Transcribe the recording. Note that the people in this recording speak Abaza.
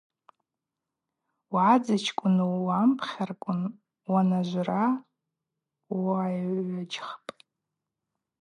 Уъадзачкӏвыну уампхьарквын уанажвра уайгӏваджьхпӏ.